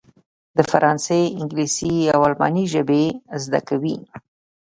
د فرانسې، انګلیسي او الماني ژبې زده کوي.